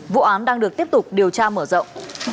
vụ án đang được tiếp tục điều tra mở rộng